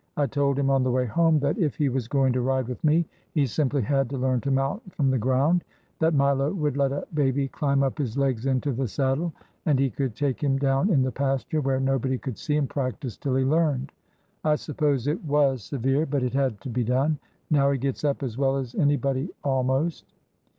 I told him on the way home that if he was going to ride with me, he simply had to learn to mount from the ground ; that Milo would let a baby climb up his legs into the saddle ; and he could take him down in the pasture, where nobody could see, and practise till he learned. I suppose it was severe, but it had to be done 1 Now he gets up as well as any body — almost.